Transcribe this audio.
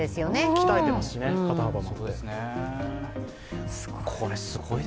鍛えていますしね、肩幅も。